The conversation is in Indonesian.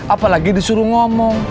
apalagi disuruh ngomong